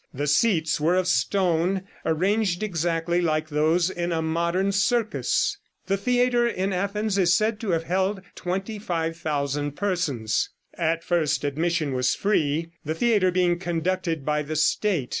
The seats were of stone, arranged exactly like those in a modern circus. The theater in Athens is said to have held 25,000 persons. At first admission was free, the theater being conducted by the state.